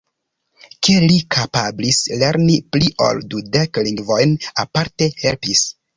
Ke li kapablis lerni pli ol dudek lingvojn aparte helpis.